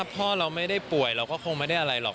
พ่อเราไม่ได้ป่วยเราก็คงไม่ได้อะไรหรอก